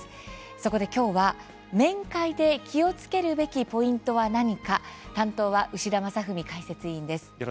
そこで今日は、面会で気をつけるべきポイントは何か担当は牛田正史解説委員です。